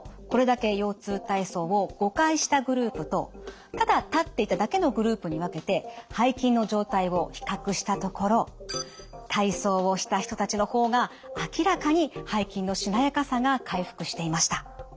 これだけ腰痛体操を５回したグループとただ立っていただけのグループに分けて背筋の状態を比較したところ体操をした人たちの方が明らかに背筋のしなやかさが回復していました。